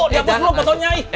dihapus dulu potongnya